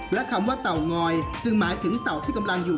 และคำว่าเตางอยจึงหมายถึงเต่าที่กำลังอยู่